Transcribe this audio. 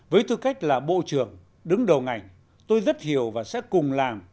với tư cách là bộ trưởng đứng đầu ngành tôi rất hiểu và sẽ cùng làm